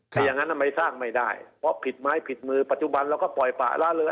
ถ้าอย่างนั้นทำไมสร้างไม่ได้เพราะผิดไม้ผิดมือปัจจุบันเราก็ปล่อยปะละเลย